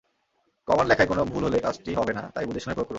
Command লেখায় কোনো ভুল হলে কাজটি হবে না, তাই বুঝেশুনে প্রয়োগ করুন।